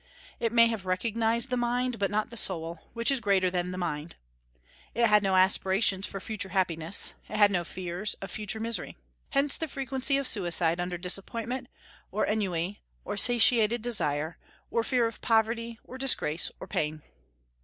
It may have recognized the mind, but not the soul, which is greater than the mind. It had no aspirations for future happiness; it had no fears of future misery. Hence the frequency of suicide under disappointment, or ennui, or satiated desire, or fear of poverty, or disgrace, or pain.